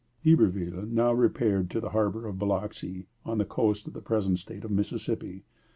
Iberville now repaired to the harbor of Biloxi, on the coast of the present State of Mississippi.